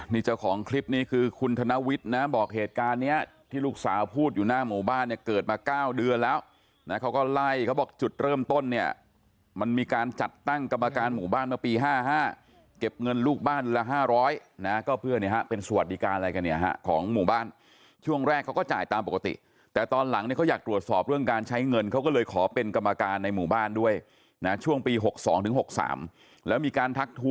นี่เจ้าของคลิปนี้คือคุณธนวิทย์นะบอกเหตุการณ์เนี้ยที่ลูกสาวพูดอยู่หน้าหมู่บ้านเนี้ยเกิดมาเก้าเดือนแล้วนะเขาก็ไล่เขาบอกจุดเริ่มต้นเนี้ยมันมีการจัดตั้งกรรมการหมู่บ้านเมื่อปีห้าห้าเก็บเงินลูกบ้านละห้าร้อยนะก็เพื่อเนี้ยฮะเป็นสวัสดิการอะไรกันเนี้ยฮะของหมู่บ้านช่วงแรกเขาก็จ่ายต